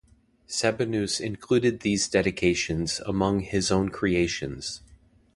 Sabinus included these dedications among his own creations.